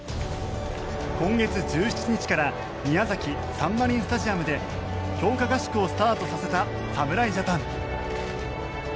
今月１７日から宮崎サンマリンスタジアムで強化合宿をスタートさせた侍ジャパン。